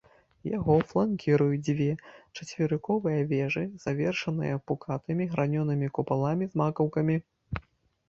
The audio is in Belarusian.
Яго фланкіруюць дзве чацверыковыя вежы, завершаныя пукатымі гранёнымі купаламі з макаўкамі.